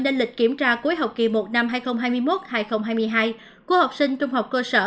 lên lịch kiểm tra cuối học kỳ một năm hai nghìn hai mươi một hai nghìn hai mươi hai của học sinh trung học cơ sở